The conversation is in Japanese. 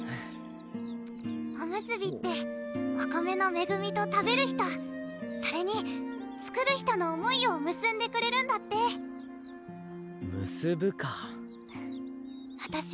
おむすびってお米のめぐみと食べる人それに作る人の思いをむすんでくれるんだって「むすぶ」かぁあたし